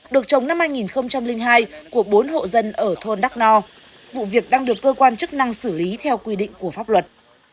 được trồng năm hai nghìn hai của bốn hộ dân ở thôn đắk no vụ việc đang được cơ quan chức năng xử lý theo quy định của pháp luật